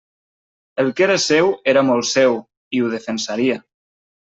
El que era seu era molt seu, i ho defensaria.